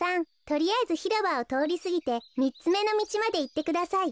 とりあえずひろばをとおりすぎてみっつめのみちまでいってください。